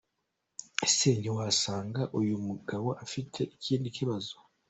Ese ntiwasanga uyu mugabo afite ikindi kibazo ?.